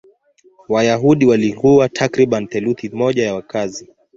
Wayahudi walikuwa takriban theluthi moja ya wakazi.